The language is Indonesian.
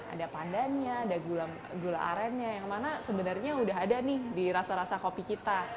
ada pandannya ada gula arennya yang mana sebenarnya udah ada nih di rasa rasa kopi kita